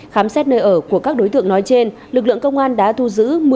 khám xét nơi ở của các đối tượng nói trên lực lượng công an đã thu giữ